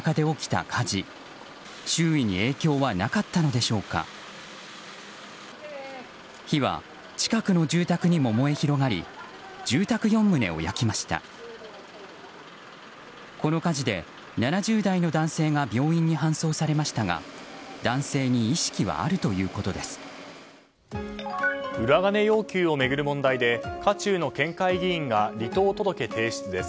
この火事で７０代の男性が病院に搬送されましたが男性に意識はあるということです。